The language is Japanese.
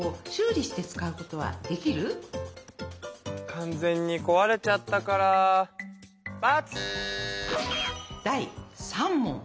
完全にこわれちゃったから×！